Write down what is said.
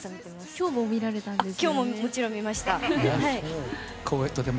今日も見られたんですよね。